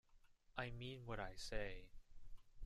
I mean what I say.